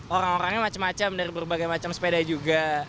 orang orangnya macam macam dari berbagai macam sepeda juga